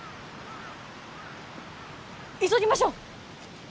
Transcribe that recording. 急ぎましょう！